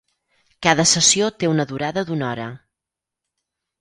Cada sessió té una durada d’una hora.